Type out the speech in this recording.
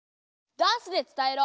ダンスで伝えろ！